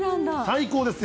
最高ですよ。